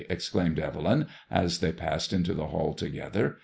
" exclaimed Evelyn, as they passed into the hall together.